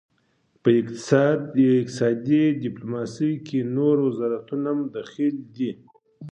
په اقتصادي ډیپلوماسي کې نور وزارتونه هم دخیل دي